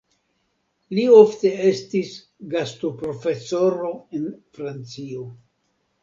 Li ofte estis gastoprofesoro en Francio.